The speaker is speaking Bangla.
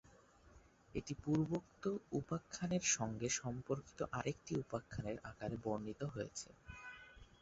এটি পূর্বোক্ত উপাখ্যানের সঙ্গে সম্পর্কিত আরেকটি উপাখ্যানের আকারে বর্ণিত হয়েছে।